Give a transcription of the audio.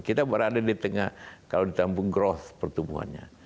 kita berada di tengah kalau ditambung growth pertumbuhannya